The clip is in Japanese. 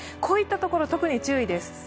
こういったところ、特に注意です。